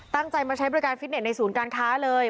ตั้งใจมาใช้บริการฟิตเน็ตในศูนย์การค้าเลย